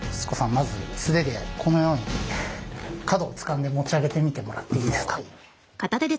まず素手でこのように角をつかんで持ち上げてみてもらっていいですか。